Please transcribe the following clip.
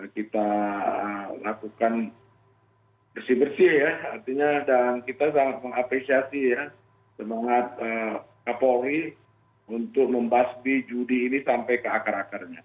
kita lakukan bersih bersih ya artinya dan kita sangat mengapresiasi ya semangat kapolri untuk membasbi judi ini sampai ke akar akarnya